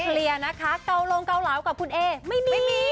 เคลียร์นะคะเกาลงเกาเหลากับคุณเอไม่มีไม่มี